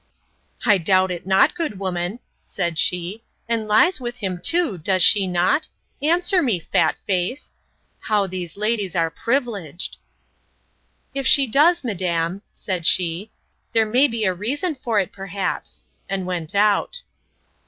—I doubt it not, good woman, said she, and lies with him too, does she not? Answer me, fat face!—How these ladies are privileged. If she does, madam, said she, there may be a reason for it, perhaps! and went out.